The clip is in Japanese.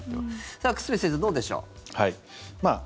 さあ久住先生、どうでしょう。